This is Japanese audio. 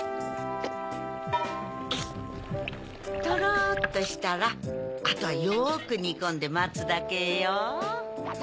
トロっとしたらあとはよくにこんでまつだけよ。